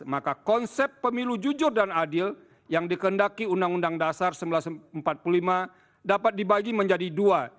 maka konsep pemilu jujur dan adil yang dikendaki undang undang dasar seribu sembilan ratus empat puluh lima dapat dibagi menjadi dua